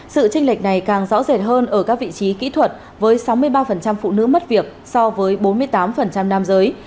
sự tranh lệch này càng rõ rệt hơn ở các vị trí kỹ thuật với sáu mươi ba phụ nữ mất việc so với bốn mươi tám nam giới